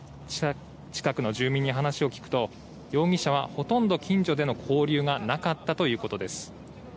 近くの住民に話を聞くと容疑者は、ほとんど近所での交流がなかったということです。